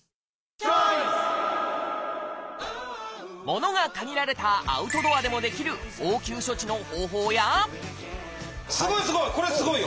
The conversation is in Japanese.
物が限られたアウトドアでもできる応急処置の方法やすごいすごい！